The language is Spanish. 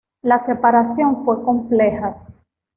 La separación fue compleja.